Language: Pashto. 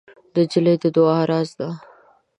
نجلۍ د دعا راز ده.